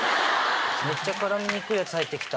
めっちゃ絡みにくい奴入った。